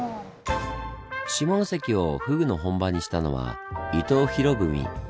下関をフグの本場にしたのは伊藤博文。